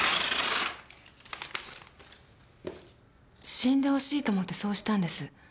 死んで欲しいと思ってそうしたんです。